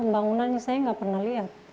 bangunan ini saya gak pernah lihat